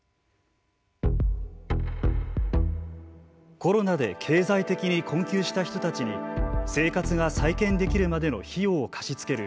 コロナで経済的に困窮した人たちに生活が再建できるまでの費用を貸し付ける